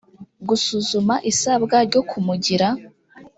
gusuzuma isabwa ryo kumugira